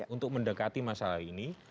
untuk mendekati masalah ini